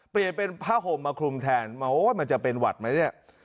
เปลี่ยนเป็นผ้าห่มมาคลุมแทนมาโอ้ยมันจะเป็นหวัดไหมเนี่ย